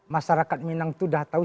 masyarakat minang itu udah tau